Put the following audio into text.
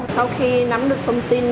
sau khi nắm được thông tin